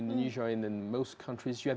dan pemilihan yang kuat